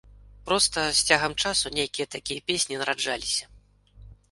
Проста, з цягам часу нейкія такія песні нараджаліся.